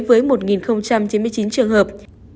với một chín mươi chín trường hợp